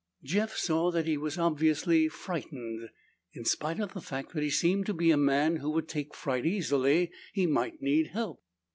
Jeff saw that he was obviously frightened. In spite of the fact that he seemed to be a man who would take fright easily, he might need help.